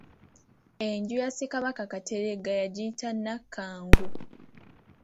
Enju ya Ssekabaka Kateregga yagiyita Nnakangu.